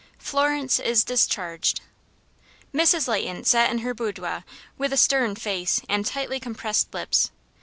Florence Is Discharged. Mrs. Leighton sat in her boudoir with a stern face and tightly compressed lips.